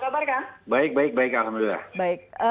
baik baik baik alhamdulillah